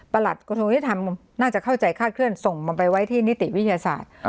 ปรัตต์กรรมกราธิธรรมน่าจะเข้าใจฆาตเคลื่อนซ่งมันไปไว้ที่นิติวิทยาศาสตร์